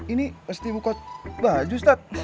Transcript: ini mesti buka baju ustadz